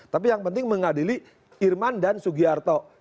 tapi yang penting mengadili irman dan sugiarto